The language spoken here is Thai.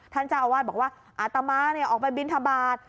ท่านเจ้าอาวาสบอกว่าอาตมาออกไปบินทบาท